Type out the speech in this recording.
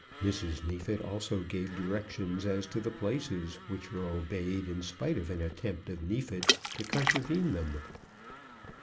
Mrs. Neefit also gave directions as to the places, which were obeyed in spite of an attempt of Neefit's to contravene them.